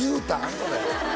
それ。